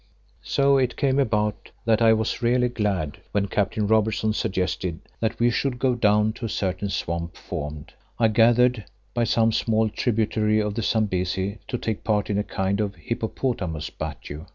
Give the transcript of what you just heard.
So it came about that I was really glad when Captain Robertson suggested that we should go down to a certain swamp formed, I gathered, by some small tributary of the Zambesi to take part in a kind of hippopotamus battue.